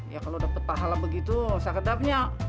ya kalau dapet pahala begitu sekedapnya